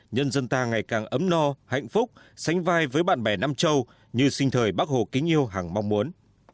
nhân dân ta ngày càng ấm no hạnh phúc sánh vai với bạn bè nam châu như sinh thời bác hồ kính yêu hẳng mong muốn